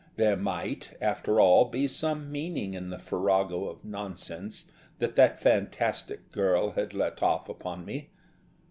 There might, after all, be some meaning in the farrago of nonsense that that fantastic girl had let off upon me.